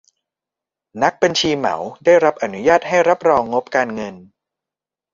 นักบัญชีเหมาได้รับอนุญาตให้รับรองงบการเงิน